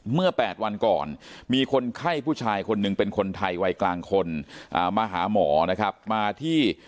เมื่อ๘วันก่อนมีคนไข้ผู้ชายคนหนึ่งเป็นคนไทยวัยกลางคนมาหาหมอนะครับมาที่